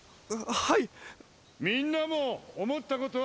はい！